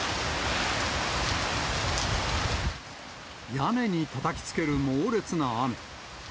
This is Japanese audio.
屋根にたたきつける猛烈な雨。